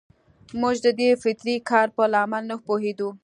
موږ د دې فطري کار په لامل نه پوهېدو.